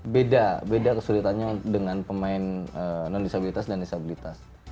beda beda kesulitannya dengan pemain non disabilitas dan disabilitas